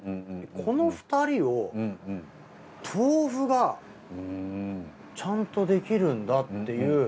この２人を豆腐がちゃんとできるんだっていう。